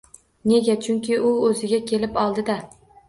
Nega? Chunki u o‘ziga kelib oldi-da!